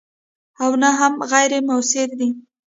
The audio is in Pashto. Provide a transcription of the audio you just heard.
او نه هم غیر موثرې دي.